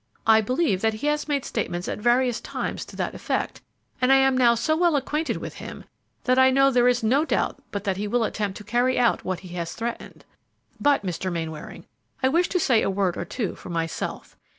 I believe that he has made statements at various times to that effect, and I am now so well acquainted with him that I know there is no doubt but that he will attempt to carry out what he has threatened. But, Mr. Mainwaring, I wish to say a word or two for myself.